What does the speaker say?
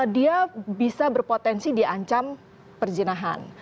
dia bisa berpotensi diancam perzinahan